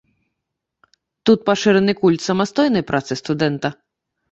Тут пашыраны культ самастойнай працы студэнта.